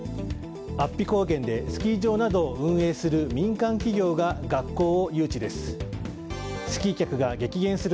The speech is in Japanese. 安比高原でスキー場などを運営する民間企業が学校を誘致です。